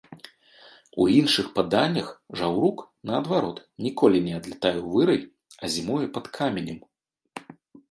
У іншых паданнях жаўрук, наадварот, ніколі не адлятае ў вырай, а зімуе пад каменем.